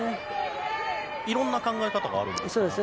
いろんな考え方があるんですか？